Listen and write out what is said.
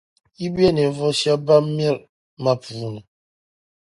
Yi be ninvuɣu shεba ban miri ma puuni.